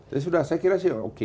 jadi sudah saya kira sih oke